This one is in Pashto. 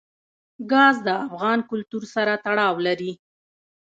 ګاز د افغان کلتور سره تړاو لري.